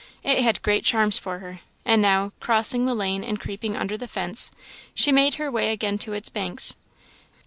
It had great charms for her; and now, crossing the lane and creeping under the fence, she made her way again to its banks.